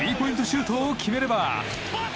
シュートを決めれば。